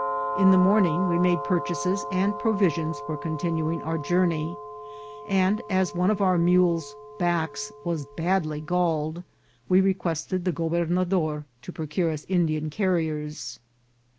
In the morning we made purchases and provisions for continuing our journey, and as one of our mules' backs was badly galled, we requested the gobernador to procure us Indian carriers.